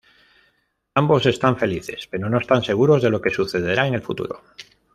Ambos están felices, pero no están seguros de lo que sucederá en el futuro.